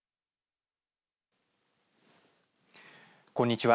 こんにちは。